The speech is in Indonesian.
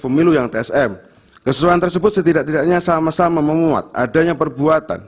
pemilu yang tsm kesesuaian tersebut setidak tidaknya sama sama menguat adanya perbuatan